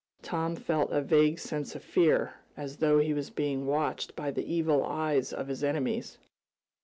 Tom felt a vague sense of fear, as though he was being watched by the evil eyes of his enemies.